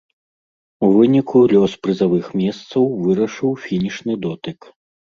У выніку лёс прызавых месцаў вырашыў фінішны дотык.